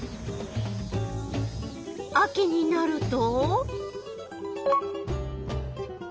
秋になると？